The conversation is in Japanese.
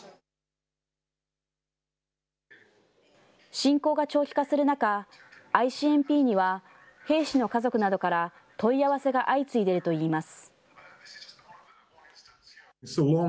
侵攻が長期化する中、ＩＣＭＰには兵士の家族などから、問い合わせが相次いでいるといいます。